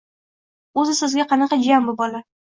– O‘zi, sizga qanaqa jiyan bu bola?